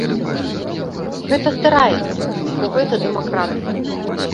Гэта здараецца, бо гэта дэмакратыя.